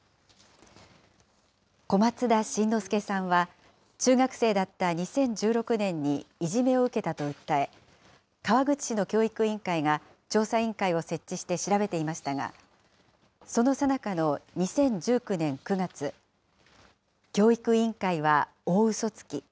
小松田辰乃輔さんは、中学生だった２０１６年にいじめを受けたと訴え、川口市の教育委員会が調査委員会を設置して調べていましたが、そのさなかの２０１９年９月、教育委員会は大ウソつき。